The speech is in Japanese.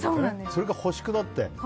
それが欲しくなって。